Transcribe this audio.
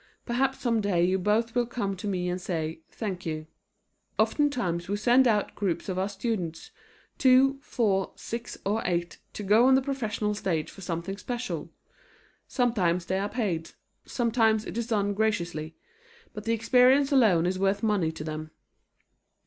Perhaps some day you both will come to me and say "Thank you." [Illustration: ADA MAY (WEEKS)] Oftentimes we send out groups of our students, two, four, six or eight, to go on the professional stage for something special. Sometimes they are paid; sometimes it is done gratuitously; but the experience alone is worth money to them.